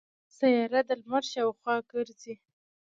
سیاره د لمر شاوخوا ګرځي.